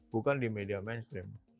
bukan di media mainstream